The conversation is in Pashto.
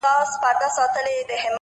هوښیار فکر له تېرو درس اخلي’